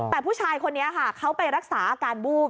แต่ผู้ชายคนนี้ค่ะเขาไปรักษาอาการวูบ